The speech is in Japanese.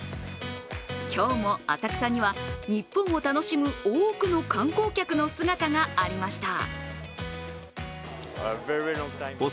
今日も浅草には日本を楽しむ多くの観光客の姿がありました。